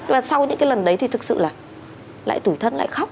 và sau những cái lần đấy thì thực sự là lại tuổi thân lại khóc